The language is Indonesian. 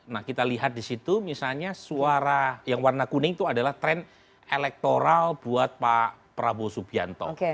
nah kita lihat di situ misalnya suara yang warna kuning itu adalah tren elektoral buat pak prabowo subianto